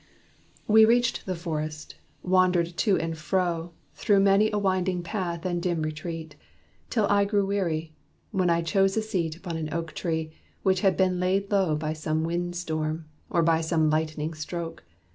We reached the forest; wandered to and fro Through many a winding path and dim retreat. Till I grew weary: when I chose a seat Upon an oak tree, which had been laid low By some wind storm, or by some lightning stroke.